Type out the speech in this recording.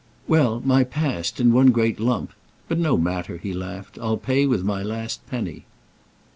"Well, my past—in one great lump. But no matter," he laughed: "I'll pay with my last penny."